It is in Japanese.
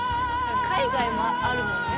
海外もあるもんね